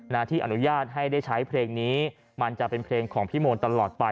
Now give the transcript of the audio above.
ที่อนุญาตให้ได้ใช้เพลงนี้มันจะเป็นเพลงของพี่โมนตลอดไป